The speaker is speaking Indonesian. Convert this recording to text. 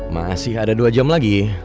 masih ada dua jam lagi